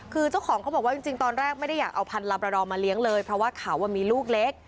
คือเจ้าของเขาบอกว่าจริงตอนแรกไม่ได้อยากเอาพันธลาบระดองมาเลี้ยงเลยเพราะว่าเขามีลูกเล็ก